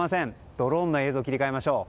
ドローンの映像に切り替えましょう。